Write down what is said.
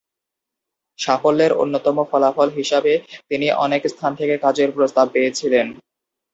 সাফল্যের অন্যতম ফলাফল হিসাবে তিনি অনেক স্থান থেকে কাজের প্রস্তাব পেয়েছিলেন।